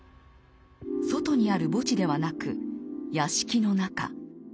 外にある墓地ではなく屋敷の中。